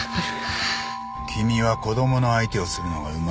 君は子供の相手をするのがうまい。